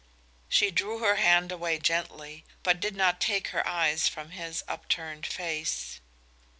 She drew her hand away gently, but did not take her eyes from his upturned face.